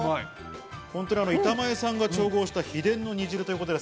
板前さんが調合した秘伝の煮汁ということです。